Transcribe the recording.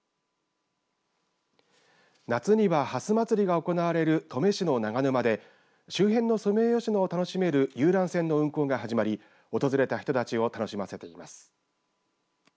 夏にははすまつりが行われる登米市の長沼で周辺のソメイヨシノを楽しめる遊覧船の運航が始まり訪れた人たちを楽しませています。